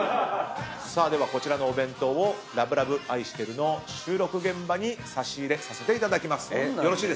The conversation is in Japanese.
さあではこちらのお弁当を『ＬＯＶＥＬＯＶＥあいしてる』の収録現場に差し入れさせていただきます。